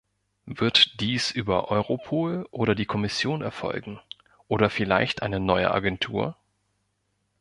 Wird dies über Europol oder die Kommission erfolgen – oder vielleicht eine neue Agentur?